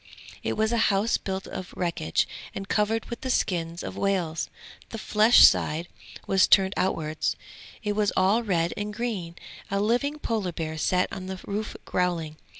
It was a house built of wreckage and covered with the skins of whales; the flesh side was turned outwards; it was all red and green; a living Polar bear sat on the roof growling.